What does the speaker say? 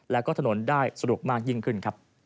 และก็ถนนได้สะดวกมากยิ่งขึ้น